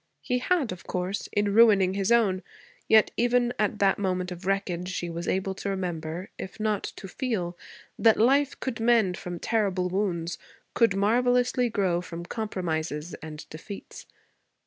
He had, of course, in ruining his own; yet even at that moment of wreckage she was able to remember, if not to feel, that life could mend from terrible wounds, could marvelously grow from compromises and defeats.